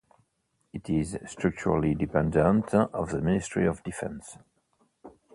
It is structurally dependent of the Ministry of Defense.